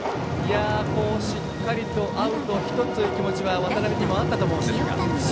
しっかりとアウト１つという気持ちは渡辺にもあったと思いますが。